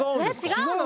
違うの？